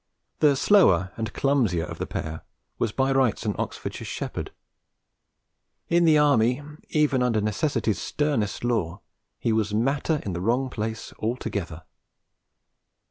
The slower and clumsier of the pair was by rights an Oxfordshire shepherd; in the Army, even under necessity's sternest law, he was matter in the wrong place altogether.